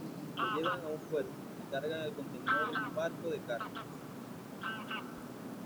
Lo llevan a un puerto, y cargan el contenedor en un barco de carga.